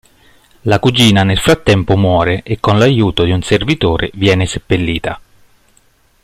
La cugina nel frattempo muore e con l'aiuto di un servitore viene seppellita.